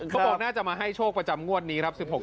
ก็บอกว่าจะมาให้โชคประจำงวดนี้๑๖ศูนย์ตุลาคม